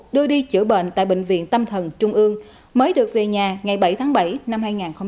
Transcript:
và bị chữa bệnh tại bệnh viện tâm thần trung ương mới được về nhà ngày bảy tháng bảy năm hai nghìn một mươi sáu